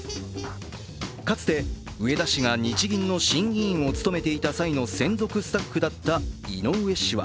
かつて、植田氏が日銀の審議委員を務めていた際の専属スタッフだった井上氏は